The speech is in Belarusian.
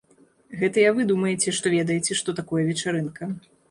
Гэтыя вы думаеце, што ведаеце, што такое вечарынка.